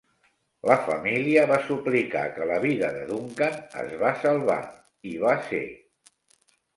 La família va suplicar que la vida de Duncan es va salvar i va ser.